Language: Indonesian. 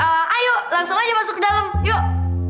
ayo langsung aja masuk ke dalam yuk